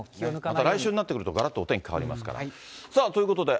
また来週になると、がらっとお天気変わりますから。ということで、